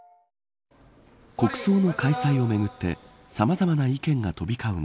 国葬の開催をめぐってさまざまな意見が飛び交う